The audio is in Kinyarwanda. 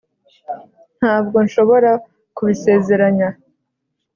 ntabwo nshobora kubisezeranya